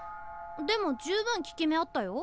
でも十分効き目あったよ。